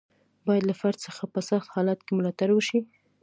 باید له فرد څخه په سخت حالت کې ملاتړ وشي.